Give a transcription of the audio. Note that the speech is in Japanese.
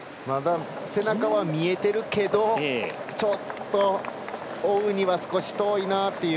背中は見えてるけどちょっと追うには少し遠いなという。